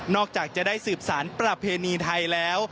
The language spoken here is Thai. จากจะได้สืบสารประเพณีไทยแล้ว